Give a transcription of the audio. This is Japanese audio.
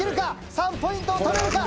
３ポイントを取れるか？